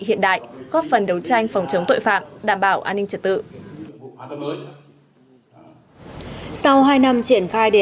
hiện đại góp phần đấu tranh phòng chống tội phạm đảm bảo an ninh trật tự sau hai năm triển khai đề